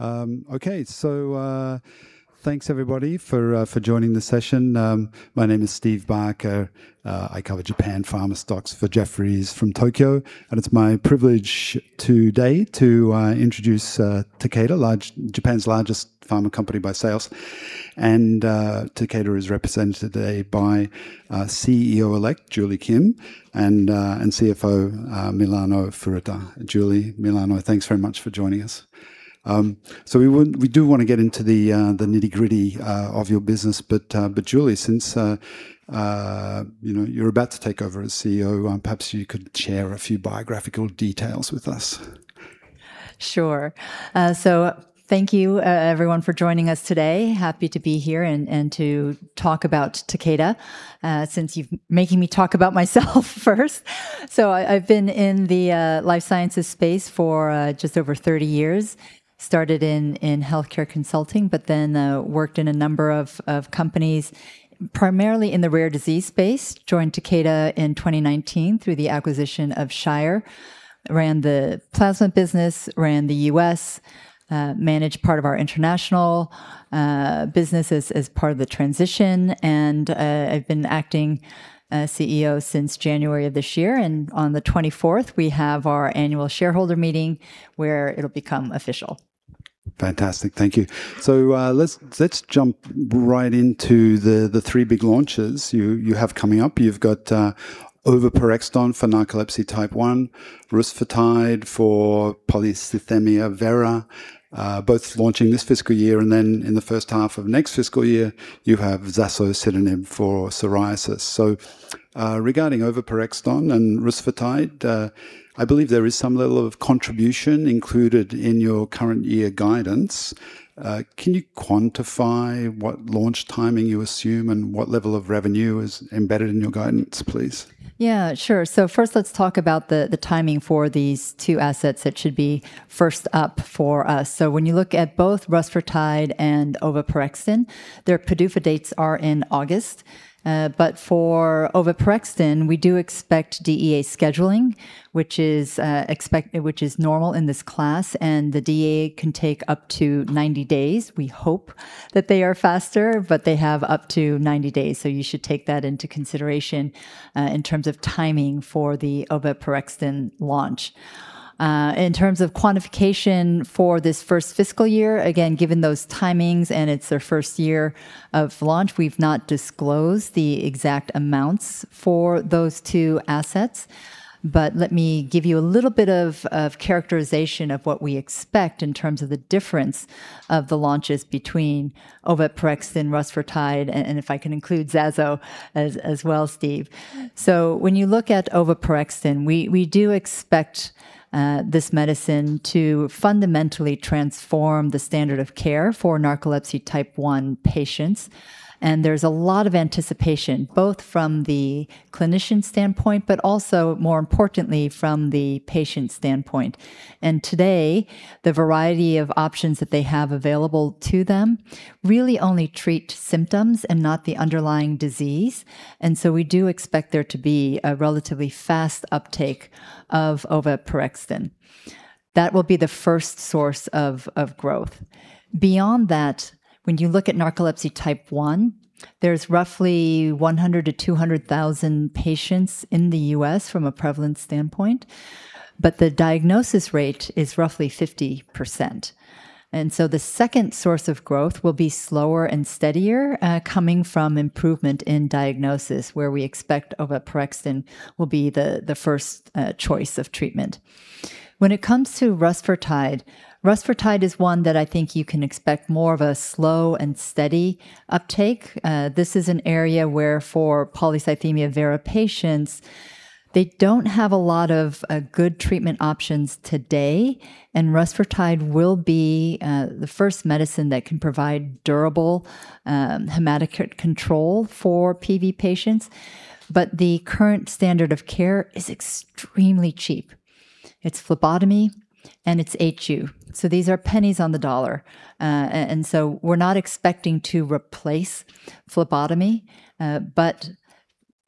Okay. Thanks everybody for joining the session. My name is Steve Barker. I cover Japan pharma stocks for Jefferies from Tokyo, and it's my privilege today to introduce Takeda, Japan's largest pharma company by sales. Takeda is represented today by CEO-elect, Julie Kim, and CFO, Milano Furuta. Julie, Milano, thanks very much for joining us. We do want to get into the nitty-gritty of your business, but Julie, since you're about to take over as CEO, perhaps you could share a few biographical details with us. Sure. Thank you everyone for joining us today. Happy to be here and to talk about Takeda, since you're making me talk about myself first. I've been in the life sciences space for just over 30 years. Started in healthcare consulting, but then worked in a number of companies, primarily in the rare disease space. Joined Takeda in 2019 through the acquisition of Shire. Ran the plasma business, ran the U.S., managed part of our international business as part of the transition, and I've been acting CEO since January of this year, and on the June 24th, we have our Annual Shareholder Meeting where it'll become official. Fantastic. Thank you. Let's jump right into the three big launches you have coming up. You've got oveporexton for Narcolepsy Type 1, rusfertide for polycythemia vera, both launching this fiscal year, and then in the first half of next fiscal year, you have zasocitinib for psoriasis. Regarding oveporexton and rusfertide, I believe there is some level of contribution included in your current year guidance. Can you quantify what launch timing you assume and what level of revenue is embedded in your guidance, please? Yeah, sure. First let's talk about the timing for these two assets that should be first up for us. When you look at both rusfertide and oveporexton, their PDUFA dates are in August. For oveporexton, we do expect DEA scheduling, which is normal in this class, and the DEA can take up to 90 days. We hope that they are faster, they have up to 90 days. You should take that into consideration in terms of timing for the oveporexton launch. In terms of quantification for this first fiscal year, again, given those timings and it's their first year of launch, we've not disclosed the exact amounts for those two assets. Let me give you a little bit of characterization of what we expect in terms of the difference of the launches between oveporexton, rusfertide, and if I can include zaso as well, Steve. When you look at oveporexton, we do expect this medicine to fundamentally transform the standard of care for Narcolepsy Type 1 patients. There's a lot of anticipation, both from the clinician standpoint, but also more importantly, from the patient standpoint. Today, the variety of options that they have available to them really only treat symptoms and not the underlying disease. We do expect there to be a relatively fast uptake of oveporexton. That will be the first source of growth. Beyond that, when you look at Narcolepsy Type 1, there's roughly 100 to 200,000 patients in the U.S. from a prevalence standpoint, but the diagnosis rate is roughly 50%. The second source of growth will be slower and steadier coming from improvement in diagnosis, where we expect oveporexton will be the first choice of treatm ent. When it comes to rusfertide is one that I think you can expect more of a slow and steady uptake. This is an area where for polycythemia vera patients, they don't have a lot of good treatment options today, and rusfertide will be the first medicine that can provide durable hematocrit control for PV patients. The current standard of care is extremely cheap. It's phlebotomy and it's HU. These are pennies on the dollar. We're not expecting to replace phlebotomy, but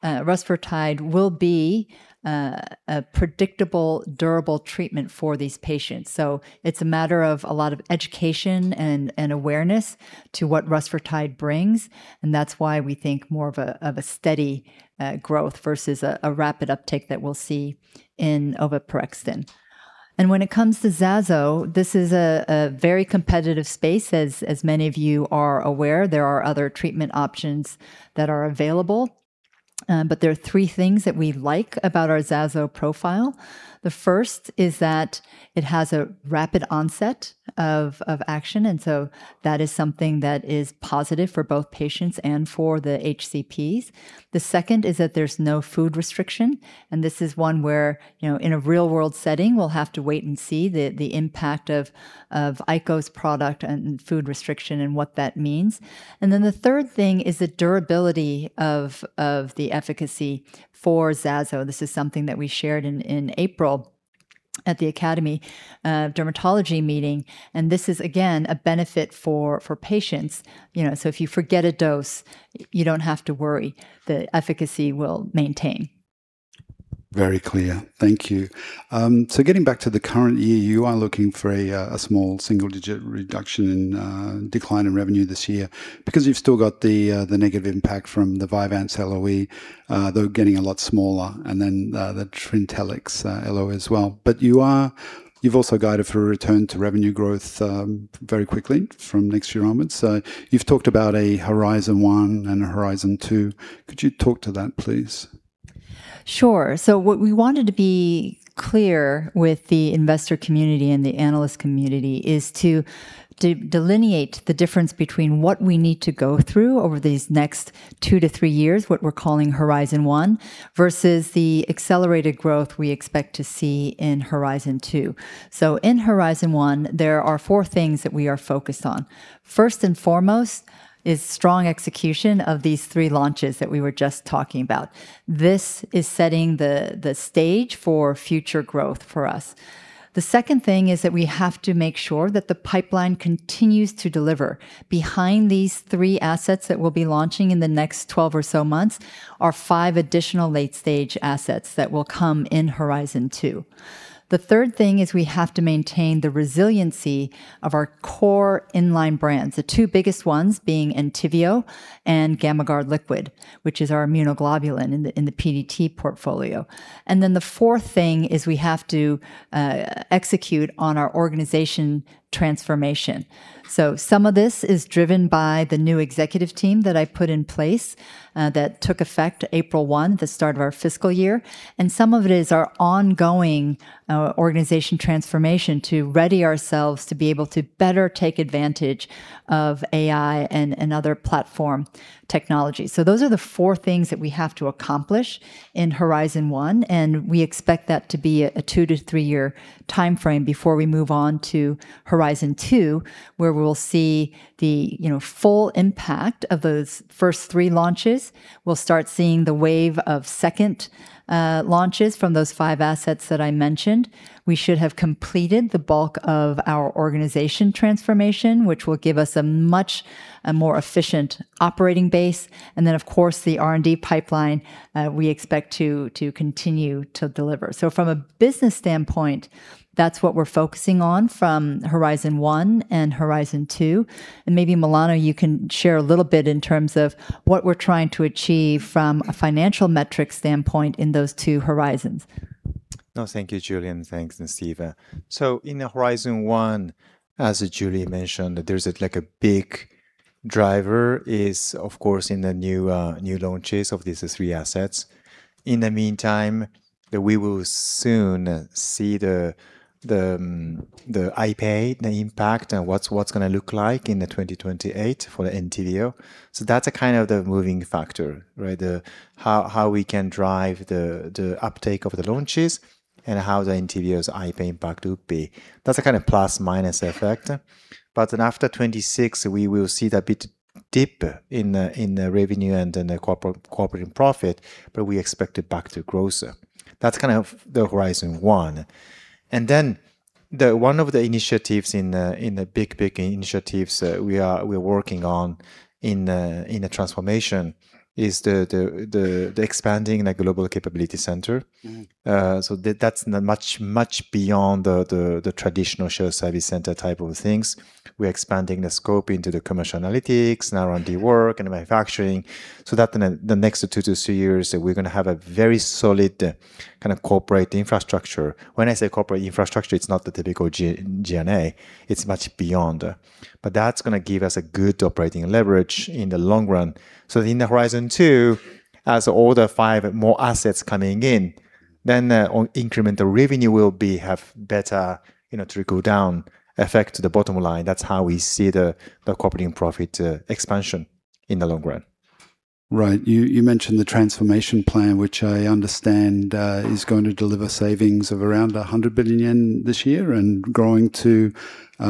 rusfertide will be a predictable, durable treatment for these patients. It's a matter of a lot of education and awareness to what rusfertide brings, and that's why we think more of a steady growth versus a rapid uptake that we'll see in oveporexton. When it comes to zaso, this is a very competitive space. As many of you are aware, there are other treatment options that are available. There are three things that we like about our zaso profile. The first is that it has a rapid onset of action, that is something that is positive for both patients and for the HCPs. The second is that there's no food restriction, this is one where in a real-world setting, we'll have to wait and see the impact of ico's product and food restriction and what that means. The third thing is the durability of the efficacy for zaso. This is something that we shared in April at the Academy of Dermatology meeting, and this is again, a benefit for patients. If you forget a dose, you don't have to worry. The efficacy will maintain. Very clear. Thank you. Getting back to the current year, you are looking for a small single-digit reduction in decline in revenue this year because you've still got the negative impact from the Vyvanse LOE, though getting a lot smaller, and then the TRINTELLIX LOE as well. You've also guided for a return to revenue growth very quickly from next year onwards. You've talked about a Horizon One and a Horizon Two. Could you talk to that, please? What we wanted to be clear with the investor community and the analyst community is to delineate the difference between what we need to go through over these next two to three years, what we're calling Horizon One, versus the accelerated growth we expect to see in Horizon Two. In Horizon One, there are four things that we are focused on. First and foremost is strong execution of these three launches that we were just talking about. This is setting the stage for future growth for us. The second thing is that we have to make sure that the pipeline continues to deliver. Behind these three assets that we'll be launching in the next 12 or so months are five additional late-stage assets that will come in Horizon Two. The third thing is we have to maintain the resiliency of our core inline brands, the two biggest ones being ENTYVIO and GAMMAGARD LIQUID, which is our immunoglobulin in the PDT portfolio. The fourth thing is we have to execute on our organization transformation. Some of this is driven by the new executive team that I've put in place that took effect April 1, the start of our fiscal year. Some of it is our ongoing organization transformation to ready ourselves to be able to better take advantage of AI and other platform technologies. Those are the four things that we have to accomplish in Horizon one, and we expect that to be a two to three-year timeframe before we move on to Horizon two, where we will see the full impact of those first three launches. We'll start seeing the wave of second launches from those five assets that I mentioned. We should have completed the bulk of our organization transformation, which will give us a much more efficient operating base. Of course, the R&D pipeline we expect to continue to deliver. From a business standpoint, that's what we're focusing on from Horizon One and Horizon Two. Maybe, Milano Furuta, you can share a little bit in terms of what we're trying to achieve from a financial metrics standpoint in those two Horizons. No, thank you, Julie, and thanks, Steve. In Horizon one, as Julie mentioned, there's a big driver is, of course, in the new launches of these three assets. In the meantime, we will soon see the IP, the impact, and what's going to look like in 2028 for ENTYVIO. That's the moving factor. How we can drive the uptake of the launches and how the ENTYVIO's IP impact will be. That's a kind of plus-minus effect. After 2026, we will see that bit dip in the revenue and in the corporate profit, but we expect it back to growth. That's the Horizon one. One of the initiatives in the big initiatives we're working on in the Transformation is the expanding the global capability center. That's much beyond the traditional shared service center type of things. We're expanding the scope into the commercial analytics, now R&D work, and manufacturing that in the next two to three years, we're going to have a very solid corporate infrastructure. When I say corporate infrastructure, it's not the typical G&A, it's much beyond. That's going to give us a good operating leverage in the long run. In Horizon Two, as all the five more assets coming in, incremental revenue will have better trickle-down effect to the bottom line. That's how we see the corporate profit expansion in the long run. Right. You mentioned the transformation plan, which I understand is going to deliver savings of around 100 billion yen this year and growing to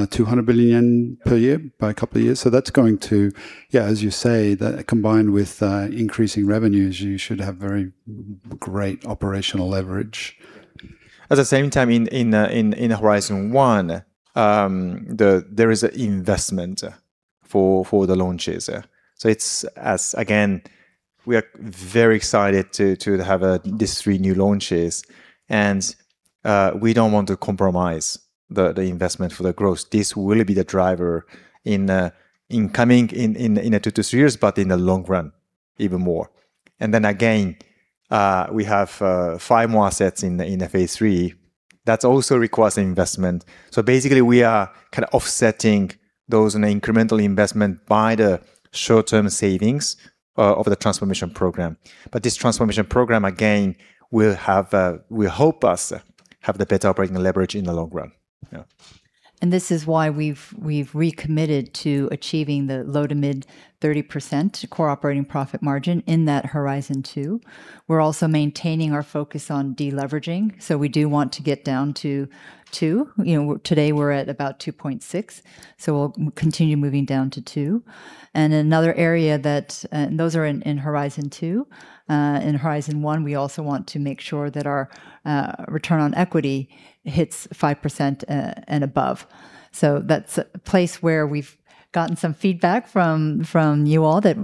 200 billion yen per year by a couple of years. That's going to, as you say, that combined with increasing revenues, you should have very great operational leverage. At the same time, in Horizon One, there is an investment for the launches. It's, again, we are very excited to have these three new launches, and we don't want to compromise the investment for the growth. This will be the driver incoming in the two to three years, but in the long run, even more. Again, we have five more assets in the phase III. That also requires investment. Basically, we are offsetting those in an incremental investment by the short-term savings of the Transformation Program. This Transformation Program, again, will help us have the better operating leverage in the long run. Yeah. This is why we've recommitted to achieving the low to mid 30% core operating profit margin in that Horizon Two. We're also maintaining our focus on deleveraging. We do want to get down to 2x. Today we're at about 2.6x, so we'll continue moving down to 2x. Those are in Horizon Two. In Horizon One, we also want to make sure that our return on equity hits 5% and above. That's a place where we've gotten some feedback from you all that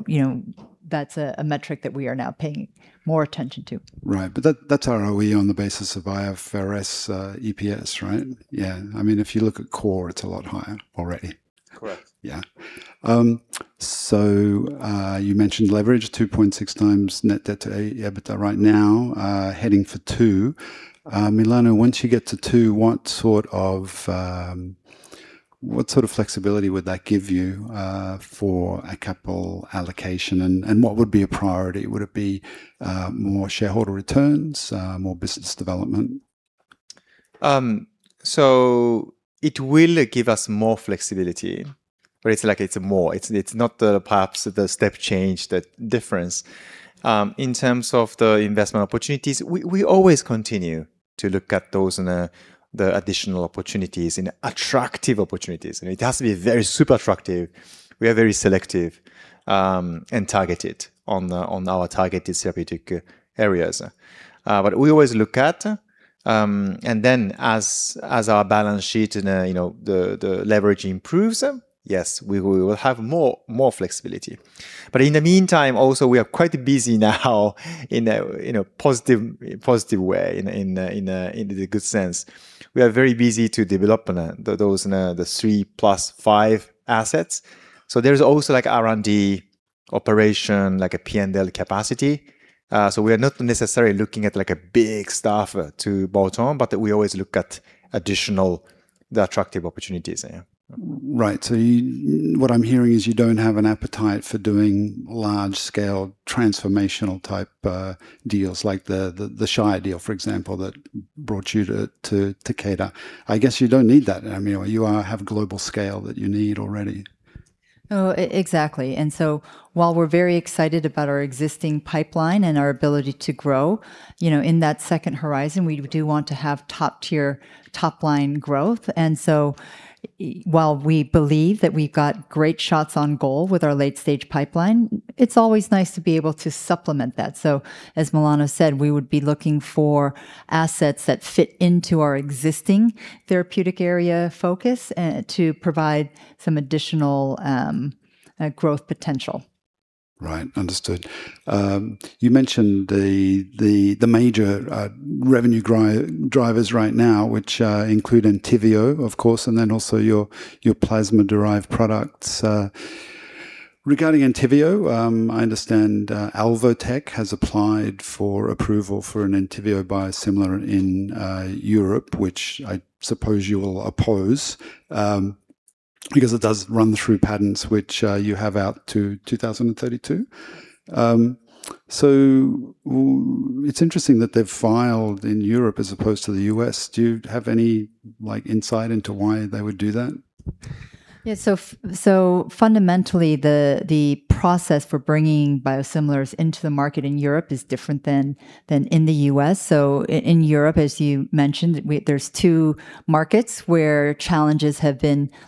that's a metric that we are now paying more attention to. Right. That's ROE on the basis of IFRS EPS, right? Yeah. If you look at core, it's a lot higher already. Correct. Yeah. You mentioned leverage, 2.6x net debt to EBITDA right now, heading for 2x. Milano, once you get to two, what sort of flexibility would that give you for a capital allocation, and what would be a priority? Would it be more shareholder returns, more business development? It will give us more flexibility, but it's more. It's not perhaps the step change, the difference. In terms of the investment opportunities, we always continue to look at those and the additional opportunities and attractive opportunities. It has to be very super attractive. We are very selective and targeted on our targeted therapeutic areas. We always look at, and then as our balance sheet and the leverage improves, yes, we will have more flexibility. In the meantime, also, we are quite busy now in a positive way, in the good sense. We are very busy to develop those 3+5 assets. There's also R&D operation, like a P&L capacity. We are not necessarily looking at a big staff to bolt on, but we always look at additional attractive opportunities, yeah. Right. What I'm hearing is you don't have an appetite for doing large-scale transformational type deals like the Shire deal, for example, that brought you to Takeda. I guess you don't need that. You have global scale that you need already. Exactly. While we're very excited about our existing pipeline and our ability to grow, in that second horizon, we do want to have top-tier top-line growth. While we believe that we've got great shots on goal with our late-stage pipeline, it's always nice to be able to supplement that. As Milano said, we would be looking for assets that fit into our existing therapeutic area focus to provide some additional growth potential. Right. Understood. You mentioned the major revenue drivers right now, which include ENTYVIO, of course, and then also your plasma-derived products. Regarding ENTYVIO, I understand Alvotech has applied for approval for an ENTYVIO biosimilar in Europe, which I suppose you will oppose because it does run through patents which you have out to 2032. It's interesting that they've filed in Europe as opposed to the U.S. Do you have any insight into why they would do that? Yeah. Fundamentally, the process for bringing biosimilars into the market in Europe is different than in the U.S. In Europe, as you mentioned, there's two markets where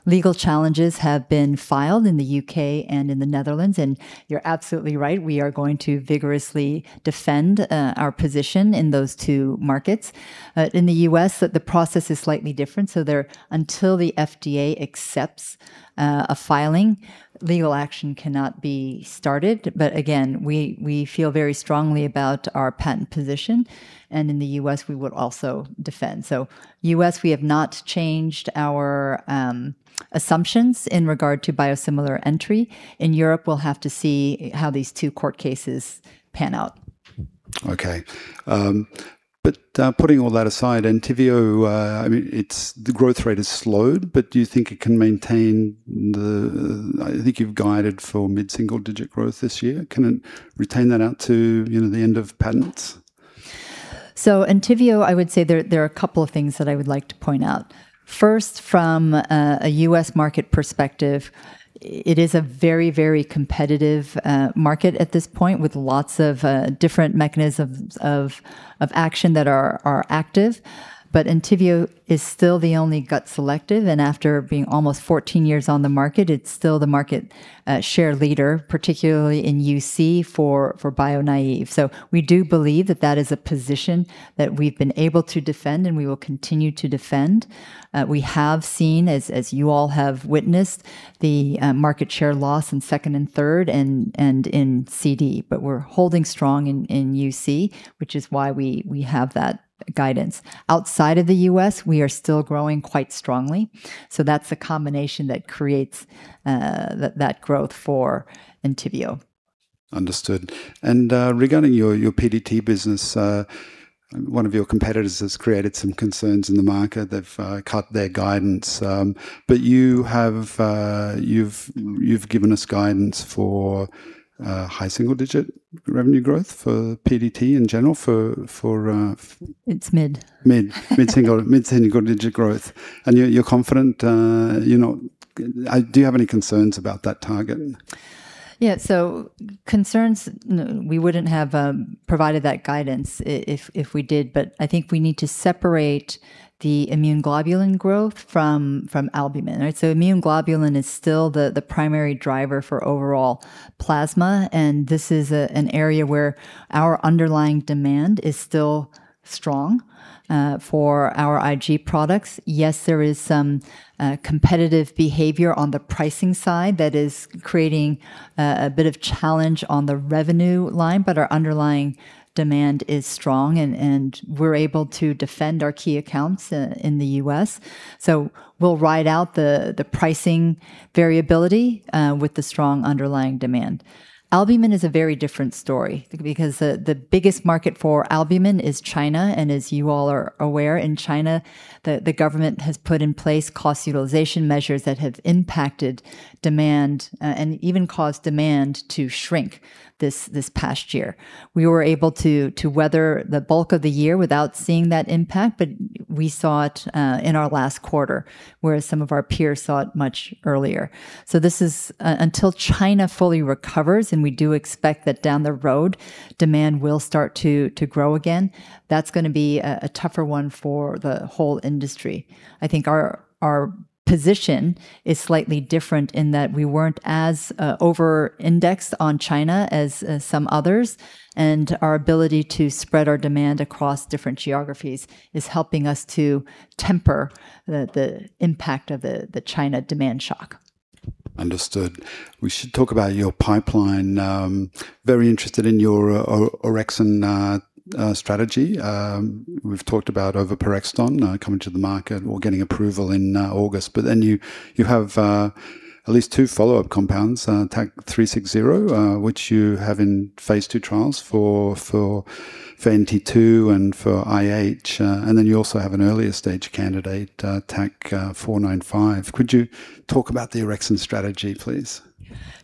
legal challenges have been filed in the U.K. and in the Netherlands. You're absolutely right, we are going to vigorously defend our position in those two markets. In the U.S., the process is slightly different. There until the FDA accepts a filing, legal action cannot be started. Again, we feel very strongly about our patent position, and in the U.S., we would also defend. U.S., we have not changed our assumptions in regard to biosimilar entry. In Europe, we'll have to see how these two court cases pan out. Okay. Putting all that aside, ENTYVIO, the growth rate has slowed, but do you think it can maintain I think you've guided for mid-single-digit growth this year. Can it retain that out to the end of patents? ENTYVIO, I would say there are a couple of things that I would like to point out. First, from a U.S. market perspective, it is a very, very competitive market at this point, with lots of different mechanisms of action that are active. ENTYVIO is still the only gut-selective, and after being almost 14 years on the market, it's still the market share leader, particularly in UC for bio-naive. We do believe that that is a position that we've been able to defend and we will continue to defend. We have seen, as you all have witnessed, the market share loss in second and third and in CD. We're holding strong in UC, which is why we have that guidance. Outside of the U.S., we are still growing quite strongly. That's the combination that creates that growth for ENTYVIO. Understood. Regarding your PDT business, one of your competitors has created some concerns in the market. They've cut their guidance. You've given us guidance for high single-digit revenue growth for PDT in general. It's mid. Mid single-digit growth. You're confident. Do you have any concerns about that target? Yeah. Concerns, we wouldn't have provided that guidance if we did. I think we need to separate the immune globulin growth from albumin. Immune globulin is still the primary driver for overall plasma, and this is an area where our underlying demand is still strong for our IG products. Yes, there is some competitive behavior on the pricing side that is creating a bit of challenge on the revenue line, but our underlying demand is strong, and we're able to defend our key accounts in the U.S. We'll ride out the pricing variability with the strong underlying demand. Albumin is a very different story because the biggest market for albumin is China, and as you all are aware, in China, the government has put in place cost utilization measures that have impacted demand, and even caused demand to shrink this past year. We were able to weather the bulk of the year without seeing that impact, but we saw it in our last quarter, whereas some of our peers saw it much earlier. Until China fully recovers, and we do expect that down the road, demand will start to grow again, that's going to be a tougher one for the whole industry. I think our position is slightly different in that we weren't as over-indexed on China as some others, and our ability to spread our demand across different geographies is helping us to temper the impact of the China demand shock. Understood. We should talk about your pipeline. Very interested in your orexin strategy. We've talked about oveporexton coming to the market or getting approval in August. You have at least two follow-up compounds, TAK-360, which you have in phase II trials for NT2 and for IH. You also have an earlier stage candidate, TAK-495. Could you talk about the orexin strategy, please?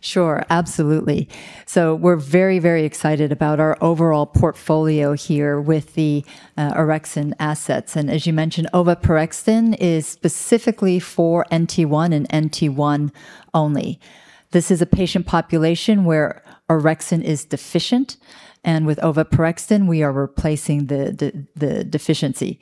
Sure, absolutely. We're very excited about our overall portfolio here with the orexin assets. As you mentioned, oveporexton is specifically for NT1 and NT1 only. This is a patient population where orexin is deficient, and with oveporexton, we are replacing the deficiency.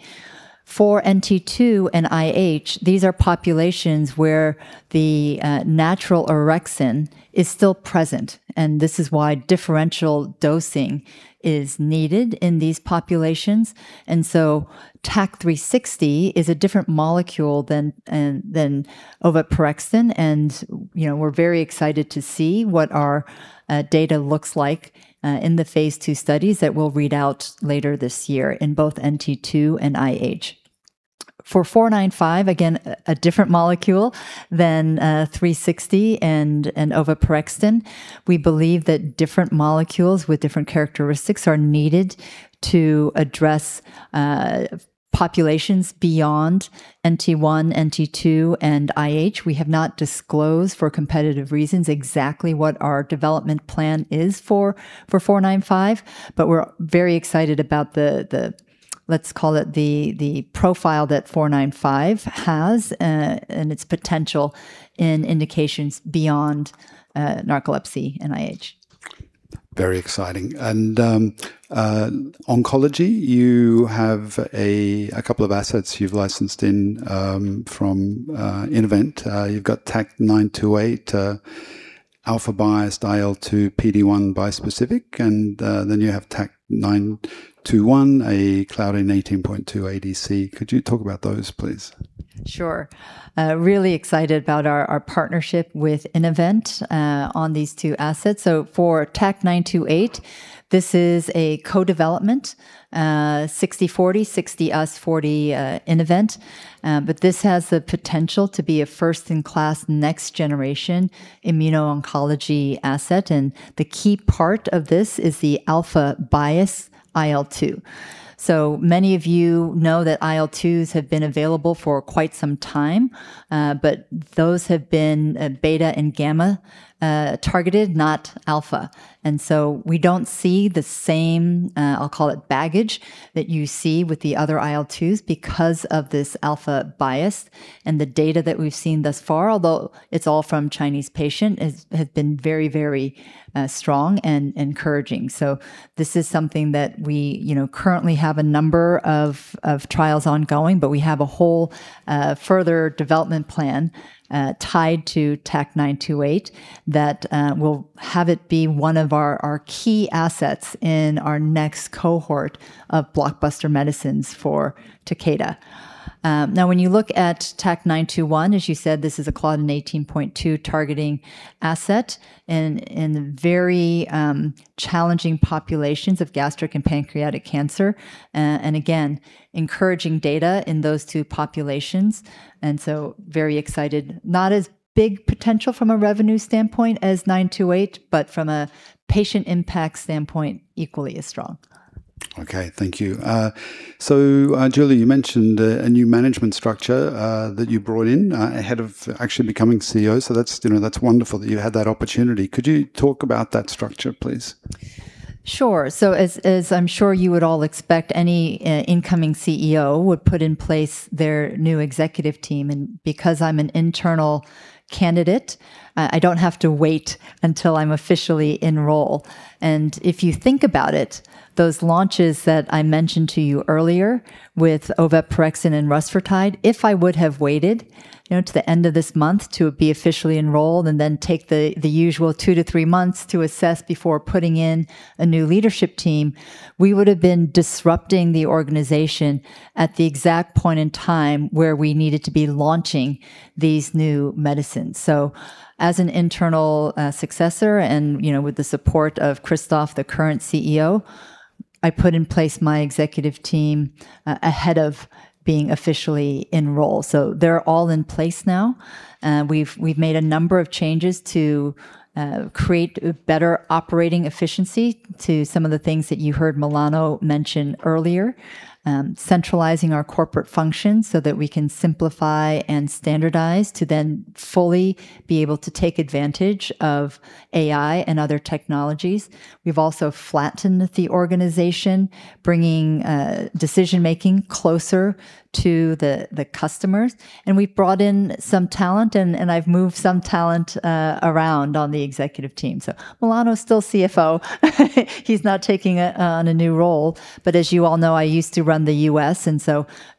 For NT2 and IH, these are populations where the natural orexin is still present, and this is why differential dosing is needed in these populations. TAK-360 is a different molecule than oveporexton, and we're very excited to see what our data looks like in the phase II studies that we'll read out later this year in both NT2 and IH. For TAK-495, again, a different molecule than TAK-360 and oveporexton. We believe that different molecules with different characteristics are needed to address populations beyond NT1, NT2, and IH. We have not disclosed, for competitive reasons, exactly what our development plan is for TAK-495, but we're very excited about the, let's call it the profile that TAK-495 has, and its potential in indications beyond narcolepsy and IH. Very exciting. Oncology, you have a couple of assets you've licensed in from Innovent. You've got TAK-928, alpha-biased IL-2/PD-1 bispecific, you have TAK-921, a Claudin 18.2 ADC. Could you talk about those, please? Sure. Really excited about our partnership with Innovent on these two assets. For TAK-928, this is a co-development, 60/40, 60 us, 40 Innovent, but this has the potential to be a first-in-class, next-generation immuno-oncology asset. The key part of this is the alpha-biased IL-2. Many of you know that IL-2s have been available for quite some time, but those have been beta and gamma targeted, not alpha. We don't see the same, I'll call it baggage, that you see with the other IL-2s because of this alpha bias. The data that we've seen thus far, although it's all from Chinese patient, has been very strong and encouraging. This is something that we currently have a number of trials ongoing, but we have a whole further development plan tied to TAK-928 that will have it be one of our key assets in our next cohort of blockbuster medicines for Takeda. When you look at TAK-921, as you said, this is a Claudin 18.2 targeting asset in the very challenging populations of gastric and pancreatic cancer. Again, encouraging data in those two populations. Very excited. Not as big potential from a revenue standpoint as TAK-928, but from a patient impact standpoint, equally as strong. Okay. Thank you. Julie, you mentioned a new management structure that you brought in ahead of actually becoming CEO. That's wonderful that you had that opportunity. Could you talk about that structure, please? Sure. As I'm sure you would all expect, any incoming CEO would put in place their new executive team. Because I'm an internal candidate, I don't have to wait until I'm officially in role. If you think about it, those launches that I mentioned to you earlier with oveporexton and rusfertide, if I would have waited to the end of this month to be officially enrolled and then take the usual two to three months to assess before putting in a new leadership team, we would've been disrupting the organization at the exact point in time where we needed to be launching these new medicines. As an internal successor, and with the support of Christophe, the current CEO, I put in place my executive team ahead of being officially in role. They're all in place now. We've made a number of changes to create better operating efficiency to some of the things that you heard Milano mention earlier, centralizing our corporate functions so that we can simplify and standardize to then fully be able to take advantage of AI and other technologies. We've also flattened the organization, bringing decision-making closer to the customers. We've brought in some talent, and I've moved some talent around on the executive team. Milano is still CFO. He's now taking on a new role. As you all know, I used to run the U.S.,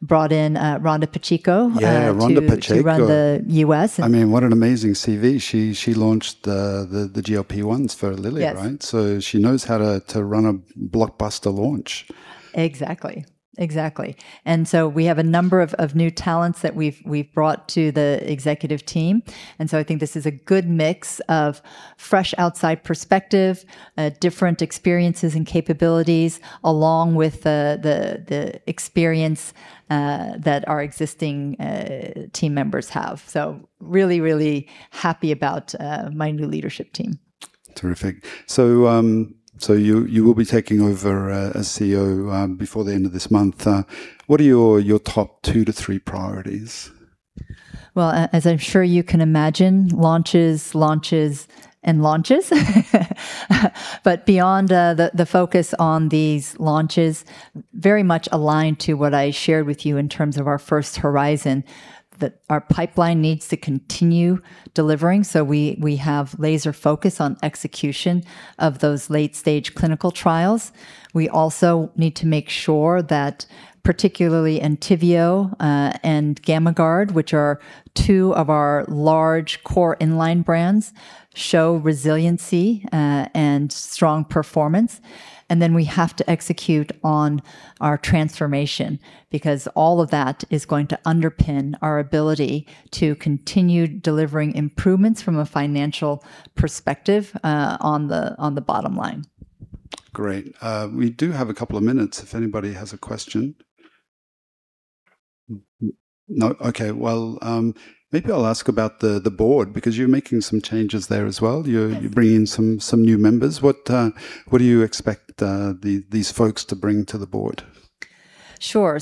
brought in Rhonda Pacheco. Yeah, Rhonda Pacheco. to run the U.S. What an amazing CV. She launched the GLP-1s for Lilly, right? Yes. She knows how to run a blockbuster launch. Exactly. We have a number of new talents that we've brought to the executive team. I think this is a good mix of fresh outside perspective, different experiences and capabilities, along with the experience that our existing team members have. Really happy about my new leadership team. Terrific. You will be taking over as CEO before the end of this month. What are your top two to three priorities? Well, as I'm sure you can imagine, launches and launches. Beyond the focus on these launches, very much aligned to what I shared with you in terms of our first horizon, our pipeline needs to continue delivering. We have laser focus on execution of those late-stage clinical trials. We also need to make sure that particularly ENTYVIO and GAMMAGARD, which are two of our large core in-line brands, show resiliency and strong performance. We have to execute on our transformation, because all of that is going to underpin our ability to continue delivering improvements from a financial perspective on the bottom line. Great. We do have a couple of minutes if anybody has a question. No? Okay. Well, maybe I'll ask about the Board, because you're making some changes there as well. You're bringing in some new members. What do you expect these folks to bring to the Board? Sure.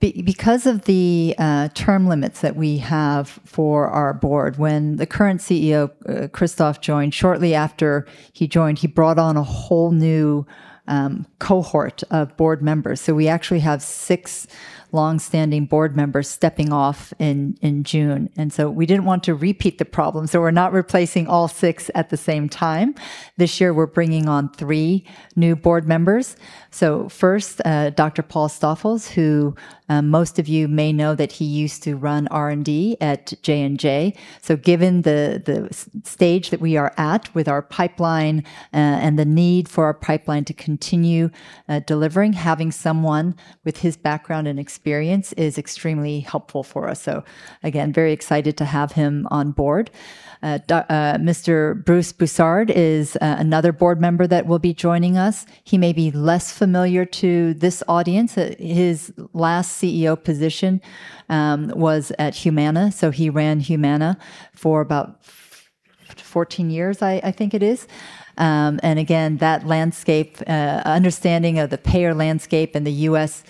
Because of the term limits that we have for our Board, when the current CEO, Christophe, joined, shortly after he joined, he brought on a whole new cohort of Board Members. We actually have six longstanding board members stepping off in June. We didn't want to repeat the problem, we're not replacing all six at the same time. This year, we're bringing on three new board members. First, Dr. Paul Stoffels, who most of you may know that he used to run R&D at J&J. Given the stage that we are at with our pipeline and the need for our pipeline to continue delivering, having someone with his background and experience is extremely helpful for us. Again, very excited to have him on board. Mr. Bruce Broussard is another Board Member that will be joining us. He may be less familiar to this audience. His last CEO position was at Humana, so he ran Humana for about 14 years, I think it is. Again, that understanding of the payer landscape and the U.S.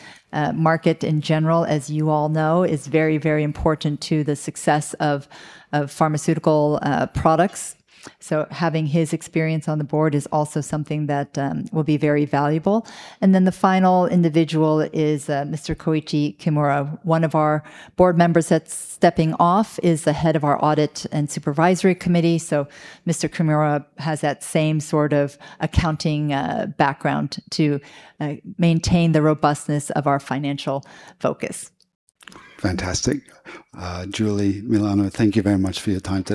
market in general, as you all know, is very, very important to the success of pharmaceutical products. Having his experience on the board is also something that will be very valuable. The final individual is Mr. Koichi Kimura. One of our Board Members that's stepping off is the head of our audit and supervisory committee. Mr. Kimura has that same sort of accounting background to maintain the robustness of our financial focus. Fantastic. Julie, Milano, thank you very much for your time today.